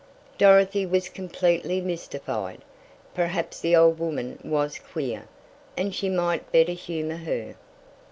Dorothy was completely mystified. Perhaps the old woman was queer, and she might better humor her.